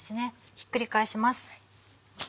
ひっくり返します。